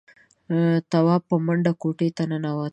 تواب په منډه کوټې ته ننوت.